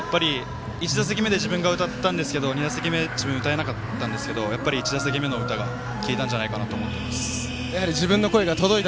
１打席目で自分が歌っていたんですけど２打席目自分、歌えなかったんですけどやっぱり１打席目の歌が効いたんじゃないかなと思っています。